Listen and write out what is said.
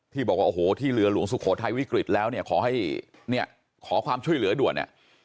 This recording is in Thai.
ที่บอกว่าโอ้โหที่เรือหลวงสุโขทัยวิกฤตแล้วขอความช่วยเหลือด่วน